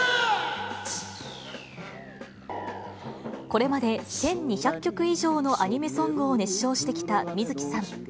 これまで１２００曲以上のアニメソングを熱唱してきた水木さん。